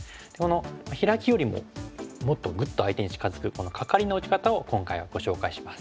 ヒラキよりももっとグッと相手に近づくカカリの打ち方を今回はご紹介します。